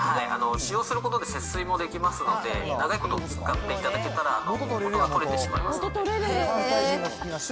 使用することで節水もできますので、長いこと使っていただけたら、元が取れてしまいますね。